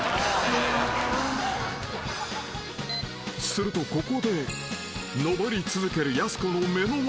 ［するとここで上り続けるやす子の］